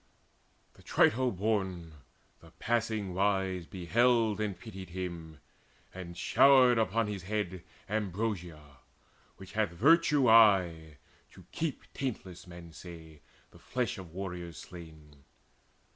The Trito born, the passing wise, beheld And pitied him, and showered upon his head Ambrosia, which hath virtue aye to keep Taintless, men say, the flesh of warriors slain.